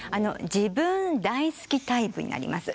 自分大好きタイプになります。